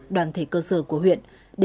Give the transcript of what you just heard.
đoàn thể cơ sở của huyện